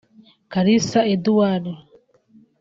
Kalisa Edouard